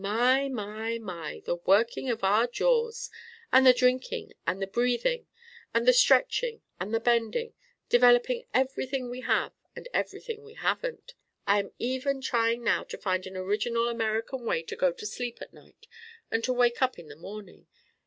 My, my, my! The working of our jaws! And the drinking and the breathing; and the stretching and the bending: developing everything we have and everything we haven't! I am even trying now to find an original American way to go to sleep at night and to wake up in the morning!